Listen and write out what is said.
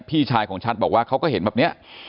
พี่ชายของชัดบอกว่าเขาก็เห็นแบบนี้